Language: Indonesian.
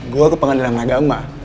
gua ke pengadilan agama